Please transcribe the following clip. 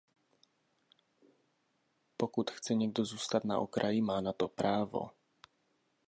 Pokud chce někdo zůstat na okraji, má na to právo.